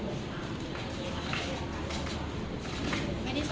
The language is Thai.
ไม่งั้นพี่เกิ๊ลมาผ่านที่นี่